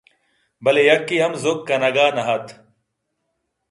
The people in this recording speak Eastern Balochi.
بلے یکّے ہم زُگ کنگ ءَ نہ اَت